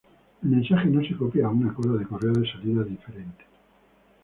El mensaje no se copia a una cola de correo de salida diferente.